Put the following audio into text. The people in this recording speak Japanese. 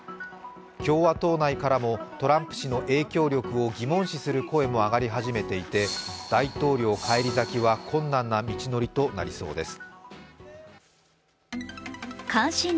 共和党内からもトランプ氏の影響力を疑問視する声も上がり始めていて大統領返り咲きは困難な道のりとなりそうです。